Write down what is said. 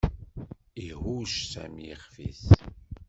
Ihucc Sami ixef-is.